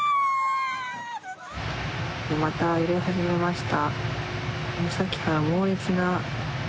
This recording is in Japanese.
また揺れ始めました。